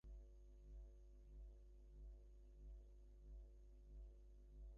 Zakaria library ঘর থেকে বের হয়ে পাঠককে বললেন আরেকটি চেয়ার লাইব্রেরি ঘরে দিতে।